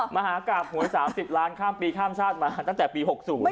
มหากราบโนย๓๐ล้านค่ำปีค่ำชาติมาตั้งแต่ปี๖๐